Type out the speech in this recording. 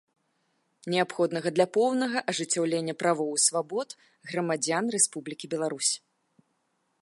Неабходнага для поўнага ажыццяўлення правоў і свабод грамадзян Рэспублікі Беларусь.